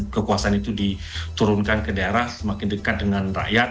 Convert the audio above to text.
kekuasaan itu diturunkan ke daerah semakin dekat dengan rakyat